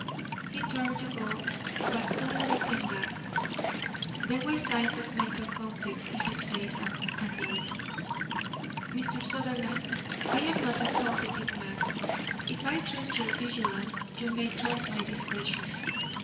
He turned to go, but suddenly came back. There were signs of mental conflict in his face and voice. "Mr. Sutherland, I am not a talkative man. If I trust your vigilance you may trust my discretion.